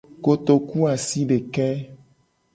Kotokuasideke.